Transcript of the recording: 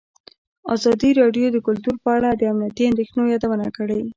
ازادي راډیو د کلتور په اړه د امنیتي اندېښنو یادونه کړې.